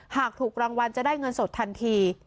หากถูกรางวัลจะได้เงินสดทันที